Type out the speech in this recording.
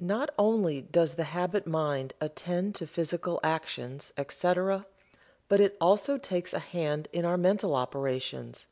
Not only does the habit mind attend to physical actions, etc., but it also takes a hand in our mental operations.